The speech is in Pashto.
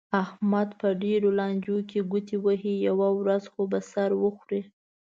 احمد په ډېرو لانجو کې ګوتې وهي، یوه ورځ خو به سر وخوري.